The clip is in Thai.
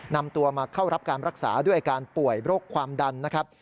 นำตัวมาเข้ารับการรักษาด้วยอาการป่วยโรคความดันนะครับ